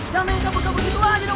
duh ngejar kasih pelajaran nih duh